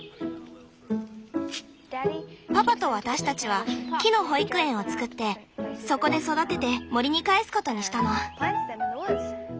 パパと私たちは木の「保育園」を作ってそこで育てて森に還すことにしたの。